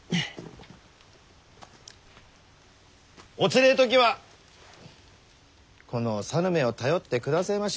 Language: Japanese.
おつれえ時はこの猿めを頼ってくだせまし。